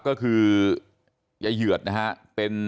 ก็คือเยืียดนะครับ